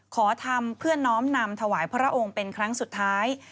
ขอทำเพื่อน้อมนำถวายพระองค์เป็นครั้งสุดท้าย